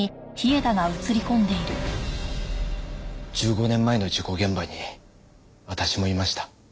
１５年前の事故現場に私もいました。